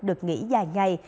được nghỉ dài ngày